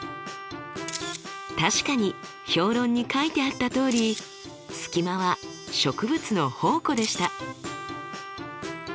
確かに評論に書いてあったとおりスキマは植物の宝庫でした。